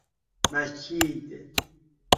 مکید